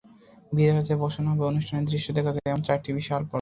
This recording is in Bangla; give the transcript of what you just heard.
ভিড় এড়াতে বসানো হবে অনুষ্ঠানের দৃশ্য দেখা যায় এমন চারটি বিশাল পর্দা।